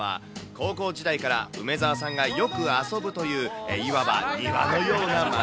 高校時代から梅澤さんがよく遊ぶという、いわば庭のような街。